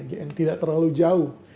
yang tidak terlalu jauh